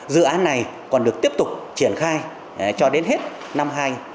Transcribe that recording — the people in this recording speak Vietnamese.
dự án này còn được tiếp tục triển khai cho đến hết năm hai nghìn hai mươi